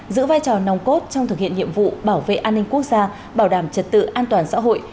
giữ vai trò nòng cốt trong thực hiện nhiệm vụ bảo vệ an ninh quốc gia bảo đảm trật tự an toàn xã hội